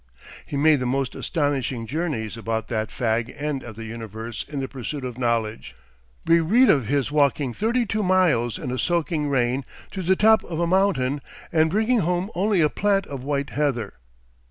He made the most astonishing journeys about that fag end of the universe in the pursuit of knowledge. We read of his walking thirty two miles in a soaking rain to the top of a mountain, and bringing home only a plant of white heather.